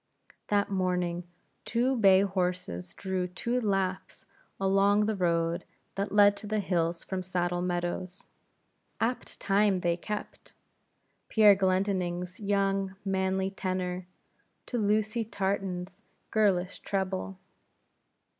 That morning, two bay horses drew two Laughs along the road that led to the hills from Saddle Meadows. Apt time they kept; Pierre Glendinning's young, manly tenor, to Lucy Tartan's girlish treble.